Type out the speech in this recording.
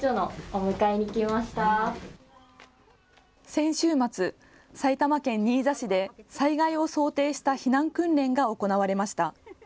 先週末、埼玉県新座市で地震を想定した避難訓練が行われました。